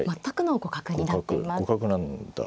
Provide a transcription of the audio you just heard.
互角互角なんだ。